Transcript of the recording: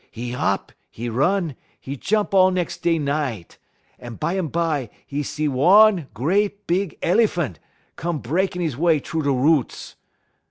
"'E hop, 'e run, 'e jump all nex' day night, un bumbye 'e see one great big el'phan' come breakin' 'e way troo da woots.